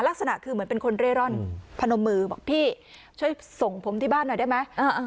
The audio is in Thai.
ลักษณะคือเหมือนเป็นคนเร่ร่อนพนมมือบอกพี่ช่วยส่งผมที่บ้านหน่อยได้ไหม